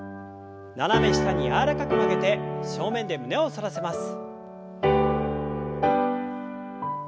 斜め下に柔らかく曲げて正面で胸を反らせます。